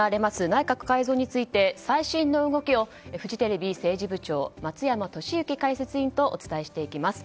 内閣改造について最新の動きをフジテレビ政治部長松山俊行解説委員とお伝えしていきます。